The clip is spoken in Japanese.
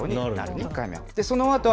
１回目は。